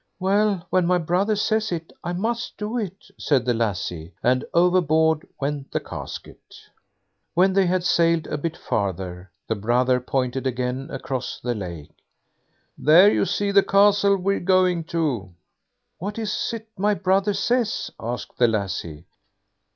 "Well, when my brother says it, I must do it", said the lassie, and overboard went the casket. When they had sailed a bit farther, the brother pointed again across the lake. "There you see the castle we're going to." "What is it my brother says?" asked the lassie.